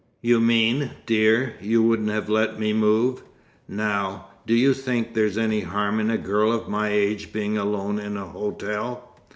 "You mean, dear, you wouldn't have let me move? Now, do you think there's any harm in a girl of my age being alone in a hotel?